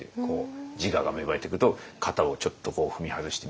自我が芽生えてくると型をちょっとこう踏み外してみたり。